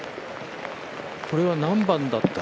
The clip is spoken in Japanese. これは何番だったの？